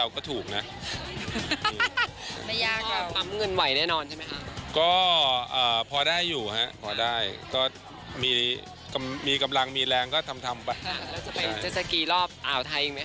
ก็จะไปเจสสากีรอบอ่าวไทยยังไหมคะ